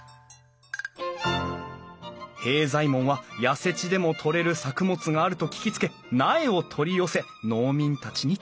平左衛門は痩せ地でも採れる作物があると聞きつけ苗を取り寄せ農民たちにつくらせた。